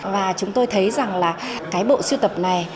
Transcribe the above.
và chúng tôi thấy rằng là cái bộ siêu tập này